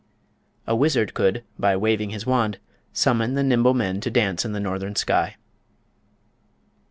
A wizard could, by waving his wand, summon the "Nimble Men" to dance in the northern sky.